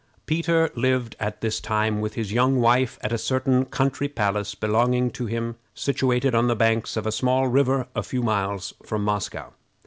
Peter lived at this time with his young wife at a certain country palace belonging to him, situated on the banks of a small river a few miles from Moscow.